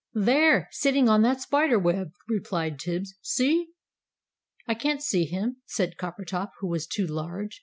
"There, sitting on that spider web," replied Tibbs. "See!" "I can't see him," said Coppertop, who was too large.